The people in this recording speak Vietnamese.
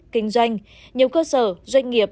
kinh doanh nhiều cơ sở doanh nghiệp